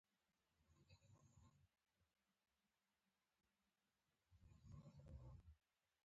زړه مي ډک له ارمانونو یو کتاب لرم خبري